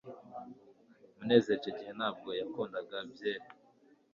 munezero icyo gihe ntabwo yakundaga byeri